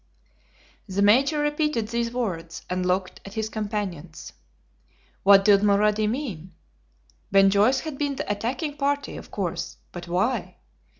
The Major repeated these words, and looked at his companions. What did Mulrady mean? Ben Joyce had been the attacking party, of course; but why?